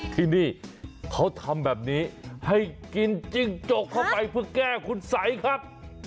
ที่นี่เขาทำแบบนี้ให้กินจิ้งจกเข้าไปเพื่อแก้คุณสัยครับ